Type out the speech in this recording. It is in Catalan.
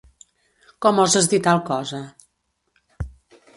Com oses dir tal cosa?